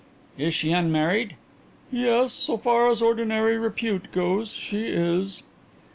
"Is she unmarried?" "Yes; so far as ordinary repute goes, she is."